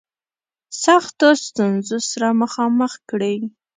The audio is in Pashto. سختو ستونزو سره مخامخ کړي.